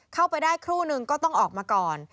เข้าไปได้ครู่นึงก็ต้องออกมาก่อน